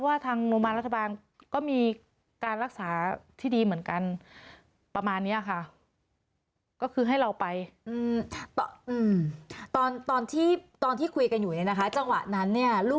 เพราะว่าทางโรงพยาบาล